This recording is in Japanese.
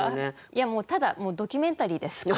いやもうただドキュメンタリーです。